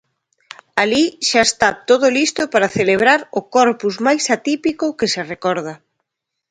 Alí, xa está todo listo para celebrar o Corpus máis atípico que se recorda.